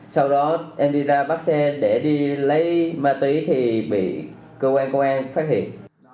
sau đó em đi ra bắt xe để đi lấy ma túy thì bị cơ quan công an phát hiện